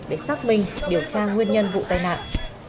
để xác minh điều tra nguyên nhân vụ tai nạn